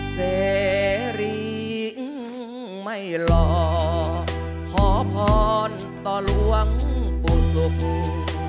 เสรีไม่หล่อขอพรต่อหลวงปู่สุพู